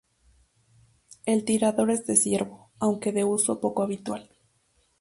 El tirador es de ciervo, aunque de uso poco habitual.